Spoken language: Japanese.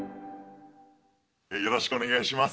よろしくお願いします。